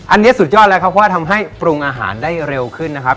อันนี้สุดยอดแล้วครับเพราะว่าทำให้ปรุงอาหารได้เร็วขึ้นนะครับ